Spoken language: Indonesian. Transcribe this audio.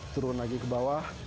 turun lagi ke bawah